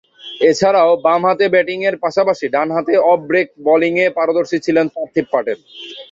এছাড়াও, বামহাতে ব্যাটিংয়ের পাশাপাশি ডানহাতে অফ ব্রেক বোলিংয়ে পারদর্শী ছিলেন পার্থিব প্যাটেল।